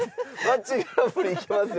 マッチングアプリいけますよ